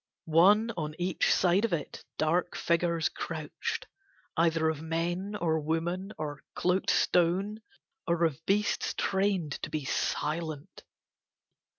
One on each side of it dark figures crouched, either of men or women or cloaked stone, or of beasts trained to be silent.